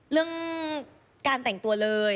เรื่องการแต่งตัวเลย